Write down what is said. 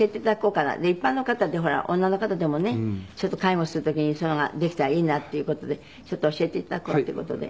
一般の方ってほら女の方でもねちょっと介護する時にそういうのができたらいいなっていう事でちょっと教えて頂こうっていう事で。